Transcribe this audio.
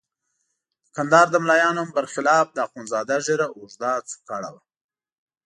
د کندهار د ملایانو برخلاف د اخندزاده ږیره اوږده څوکړه وه.